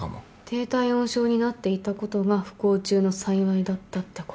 低体温症になっていたことが不幸中の幸いだったってことですね。